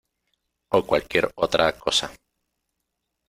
o cualquier otra cosa.